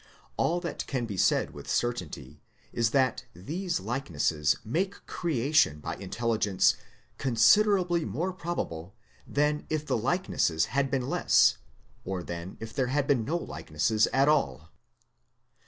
All that can be said with certainty is that these likenesses make creation by intelligence considerably more probable than if the likenesses had been less, or than if there had been no likenesses at all.